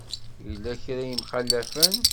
Yella kra i yemxalafen.